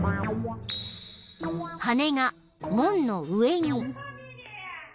［羽根が門の上に］